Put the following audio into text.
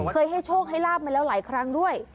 ให้โชคให้ลาบมาแล้วหลายครั้งด้วย